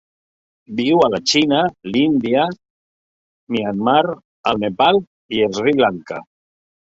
Viu a la Xina, l'Índia, Myanmar, el Nepal i Sri Lanka.